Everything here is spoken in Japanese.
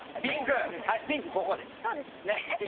ピンクここです。